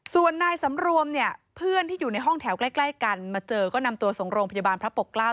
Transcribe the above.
ส่วนนายสำรวมเนี่ยเพื่อนที่อยู่ในห้องแถวใกล้กันมาเจอก็นำตัวส่งโรงพยาบาลพระปกเกล้า